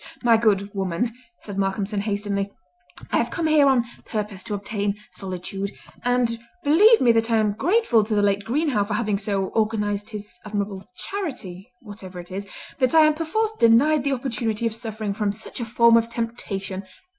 "My good woman," said Malcolmson hastily, "I have come here on purpose to obtain solitude; and believe me that I am grateful to the late Greenhow for having so organised his admirable charity—whatever it is—that I am perforce denied the opportunity of suffering from such a form of temptation!